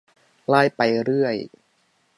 ไล่ไปเรื่อย